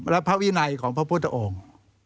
และพระวินัยของพระพุทธองค์